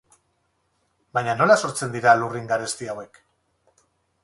Baina nola sortzen dira lurrin garesti hauek?